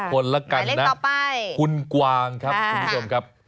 คนละกันนะต่อไปคุณกวางครับคุณผู้ชมครับ